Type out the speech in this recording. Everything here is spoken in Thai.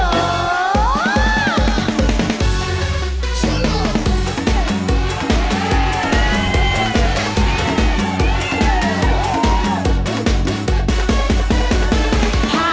ว้าวโอ้โอ้โอ้โอ้